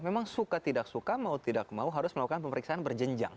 memang suka tidak suka mau tidak mau harus melakukan pemeriksaan berjenjang